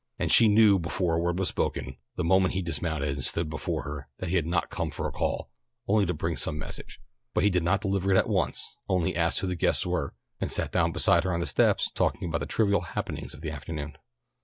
And she knew before a word was spoken, the moment he dismounted and stood before her that he had not come for a call, only to bring some message. But he did not deliver it at once, only asked who the guests were, and sat down beside her on the steps and talked about the trivial happenings of the afternoon.